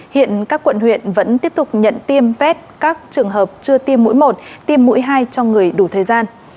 hiện các quận huyện vẫn tiếp tục nhận tiêm vét các trường hợp chưa tiêm mũi một tiêm mũi hai cho người đủ thời gian